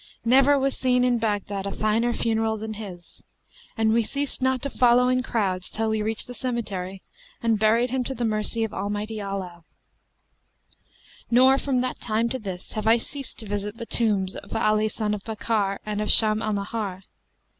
Never was seen in Baghdad a finer funeral than his; and we ceased not to follow in crowds till we reached the cemetery and buried him to the mercy of Almighty Allah; nor from that time to this have I ceased to visit the tombs of Ali son of Bakkar and of Shams al Nahar.